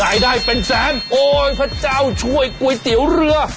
รายได้เป็นแสนโอนพระเจ้าช่วยก๋วยเตี๋ยวเรือ